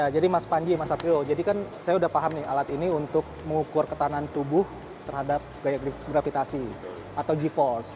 jadi mas panji mas satrio jadi kan saya sudah paham nih alat ini untuk mengukur ketahanan tubuh terhadap daya gravitasi atau g force